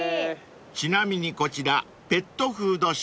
［ちなみにこちらペットフードショップ］